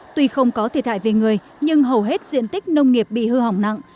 tuy không có thiệt hại về người nhưng hầu hết diện tích nông nghiệp bị hư hỏng nặng